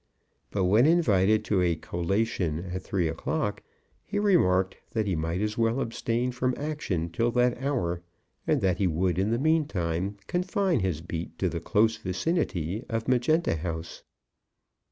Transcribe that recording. But when invited to a collation at three o'clock, he remarked that he might as well abstain from action till that hour, and that he would in the meantime confine his beat to the close vicinity of Magenta House.